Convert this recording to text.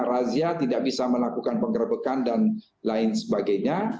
razia tidak bisa melakukan penggerbekan dan lain sebagainya